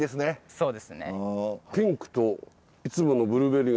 そうですね